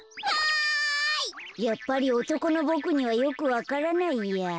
やっぱりおとこのボクにはよくわからないや。